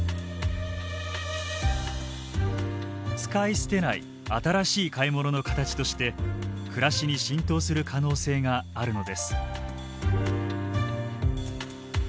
使い捨てない新しい買い物の形として暮らしに浸透する可能性があるのです。